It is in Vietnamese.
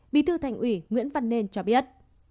bí thư thành ủy nguyễn văn nên cho biết